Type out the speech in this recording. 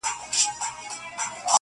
ويل پلاره پاچا لوڅ روان دئ گوره،